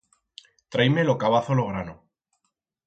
Trai-me lo cabazo lo grano.